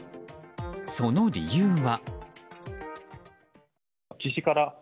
その理由は。